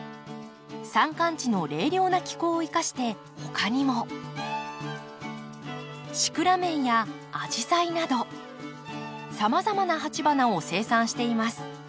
山間地の冷涼な気候を生かして他にもシクラメンやアジサイなどさまざまな鉢花を生産しています。